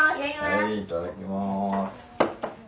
はいいただきます。